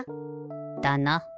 だな。